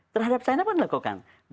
terhadap china pun dilakukan